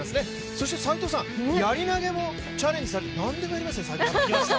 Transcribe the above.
そして斎藤さん、やり投げもチャレンジされてなんでもやりますね、斎藤さん。